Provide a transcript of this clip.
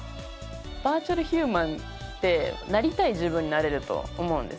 バーチャルヒューマンってなりたい自分になれると思うんですよ。